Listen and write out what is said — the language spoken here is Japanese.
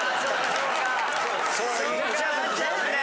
そうかなっちゃうね。